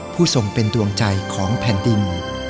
ผู้ทรงเป็นดวงใจของแผ่นดิน